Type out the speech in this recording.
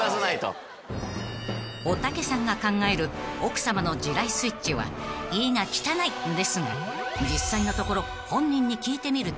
［おたけさんが考える奥さまの地雷スイッチは「家が汚い」ですが実際のところ本人に聞いてみると］